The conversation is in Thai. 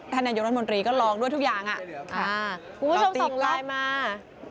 นายกรัฐมนตรีก็ลองด้วยทุกอย่างคุณผู้ชมส่งไลน์มา